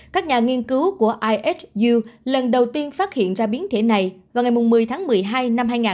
các nhà nghiên cứu của ihu lần đầu tiên phát hiện ra biến thể này vào ngày một mươi một mươi hai hai nghìn hai mươi một